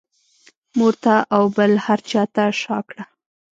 مور ته او بل هر چا ته شا کړه.